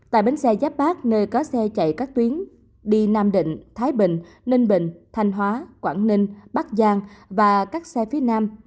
tại bến xe giáp bát nơi có xe chạy các tuyến đi nam định thái bình ninh bình thanh hóa quảng ninh bắc giang và các xe phía nam